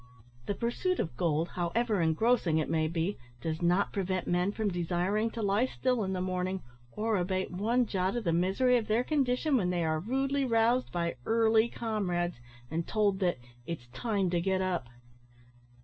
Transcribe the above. The pursuit of gold, however engrossing it may be, does not prevent men from desiring to lie still in the morning, or abate one jot of the misery of their condition when they are rudely roused by early comrades, and told that "it's time to get up."